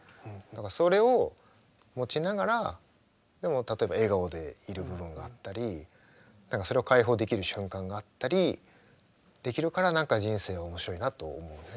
それを持ちながらでも例えば笑顔でいる部分があったりそれを開放できる瞬間があったりできるから何か人生は面白いなと思うね。